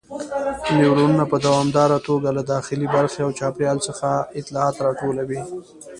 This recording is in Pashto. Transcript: نیورونونه په دوامداره توګه له داخلي برخې او چاپیریال څخه اطلاعات راټولوي.